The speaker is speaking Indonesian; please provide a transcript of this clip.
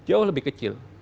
jauh lebih kecil